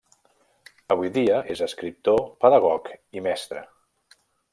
Avui dia és escriptor, pedagog i mestre.